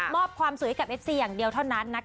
อบความสวยให้กับเอฟซีอย่างเดียวเท่านั้น